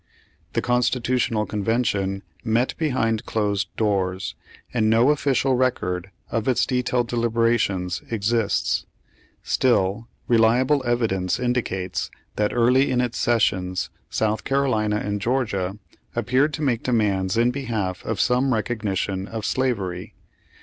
The Constitutional Convention met behind closed doors, and no official record of its detailed deliberations exists. Still, reliable evidence indi cates that early in its sessions. South Carolina and Georgia appeared to make demands in behalf of some recognition of slavery.